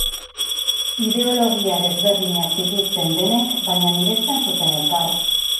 Ideologia desberdinak zituzten denek baina miresten zuten elkar.